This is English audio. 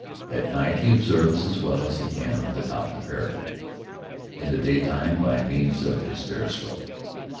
At night he observes as well as he can over the top of the parapet; in the daytime by means of his periscope.